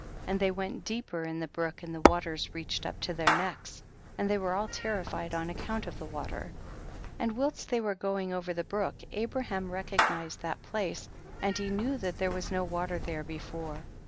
36. And they went deeper in the brook and the waters reached up to iheir necks, and they were all terri fied on account of the water ; and whilst they were going over the brook Abraham recognized that place, and he knew that there was no water there before.